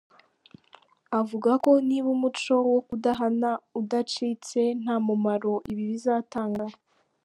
Avuga ko niba umuco wo kudahana udacitse, nta mumaro ibi bizatanga.